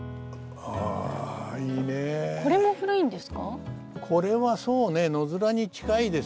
これも古いんですか。